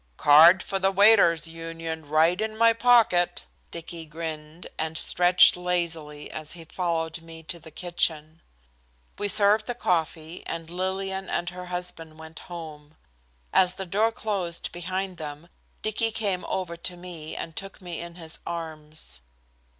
"Card from the waiters' union right in my pocket," Dicky grinned, and stretched lazily as he followed me to the kitchen. We served the coffee, and Lillian and her husband went home. As the door closed behind them Dicky came over to me and took me in his arms.